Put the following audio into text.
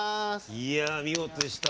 いや見事でした。